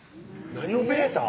何オペレーター？